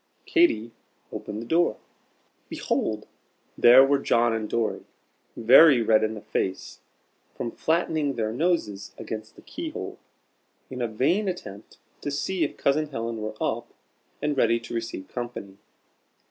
Katy opened the door. Behold! there were John and Dorry, very red in the face from flattening their noses against the key hole, in a vain attempt to see if Cousin Helen were up and ready to receive company.